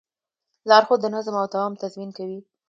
لارښود د نظم او دوام تضمین کوي.